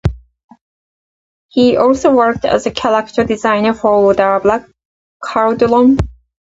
He also worked as a character designer for "The Black Cauldron".